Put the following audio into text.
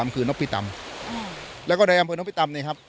คือนกพิตำแล้วก็ในอำเภอนพิตำเนี่ยครับ